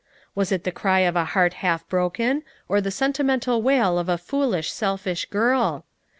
Was it the cry of a heart half broken, or the sentimental wail of a foolish, selfish girl?